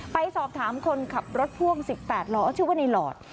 ไปสอบถามคนขับรถพ่วง๑๘ล้อชื่อว่าในหลอด